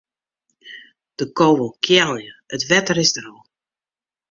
De ko wol kealje, it wetter is der al.